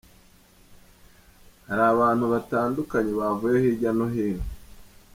Hari abantu batandukanye bavuye hirya no hino.